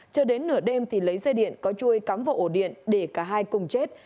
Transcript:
chờ đến nửa đêm thì lấy dây điện có chui cắm vào ổ điện để cả hai cùng chết